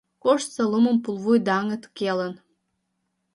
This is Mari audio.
Коштса лумым пулвуй даҥыт келын.